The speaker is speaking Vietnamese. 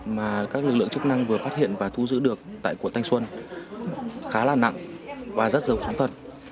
mà các lực lượng chức năng vừa phát hiện và thu giữ được tại quận thanh xuân khá là nặng và rất giống thật